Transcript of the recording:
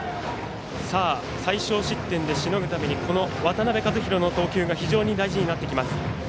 最少失点でしのぐために渡辺和大の投球が非常に大事になってきます。